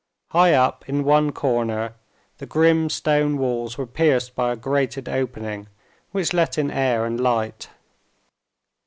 High up, in one corner, the grim stone walls were pierced by a grated opening, which let in air and light.